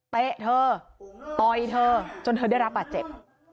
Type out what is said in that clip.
เตะเธอตอยเธอจนเธอได้รับปะเจ็บ